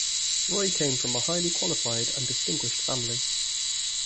Roy came from a highly qualified and distinguished family.